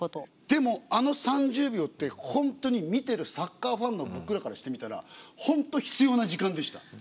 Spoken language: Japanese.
でもあの３０秒って本当に見てるサッカーファンの僕らからしてみたら本当必要な時間でした。